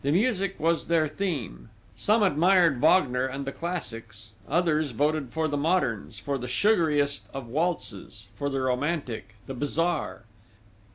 Music was their theme, some admired Wagner and the classics, others voted for the moderns, for the sugariest of waltzes, for the romantic, the bizarre.